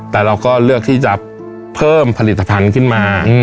แต่เราก็เลือกที่จะเพิ่มผลิตภัณฑ์ขึ้นมา